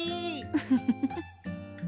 フフフフ。